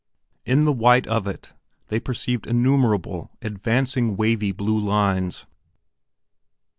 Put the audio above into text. In the white of it they perceived innumerable advancing wavy blue lines.